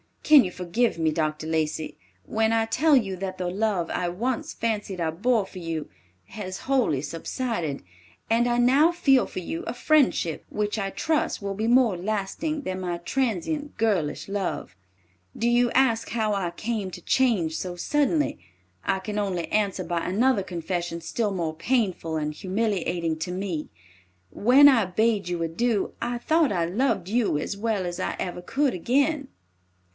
Can you forgive me, Dr. Lacey, when I tell you that the love I once fancied I bore for you has wholly subsided, and I now feel for you a friendship, which I trust will be more lasting than my transient girlish love? "Do you ask how I came to change so suddenly? I can only answer by another confession still more painful and humiliating to me. When I bade you adieu, I thought I loved you as well as I ever could again.